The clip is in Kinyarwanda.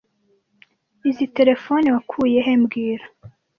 Izoi terefone wakuye he mbwira